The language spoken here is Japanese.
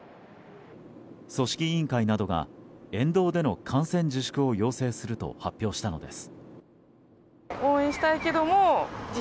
組織委員会などが沿道での観戦自粛を要請すると発表したのです。